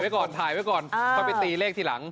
ก่อนถ่ายไว้ก่อนค่อยไปตีเลขทีหลัง